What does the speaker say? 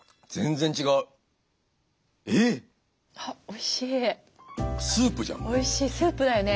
おいしいスープだよね。